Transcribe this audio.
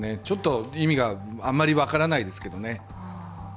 ちょっと意味があんまり分からないですけどね。